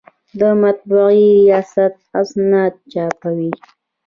د مطبعې ریاست اسناد چاپوي